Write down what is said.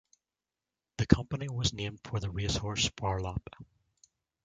The company was named for the race horse Phar Lap.